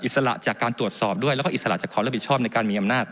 สละจากการตรวจสอบด้วยแล้วก็อิสระจากความรับผิดชอบในการมีอำนาจ